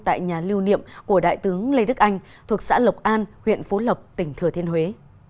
tại nhà lưu niệm của đại tướng lê đức anh thuộc xã lộc an huyện phú lộc tỉnh thừa thiên huế